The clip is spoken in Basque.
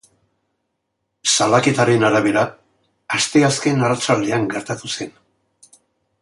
Salaketaren arabera, asteazken arratsaldean gertatu zen.